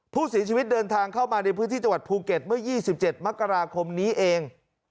ผู้เสียชีวิตเดินทางเข้ามาในพื้นที่จังหวัดภูเก็ตเมื่อ๒๗มกราคมนี้เอง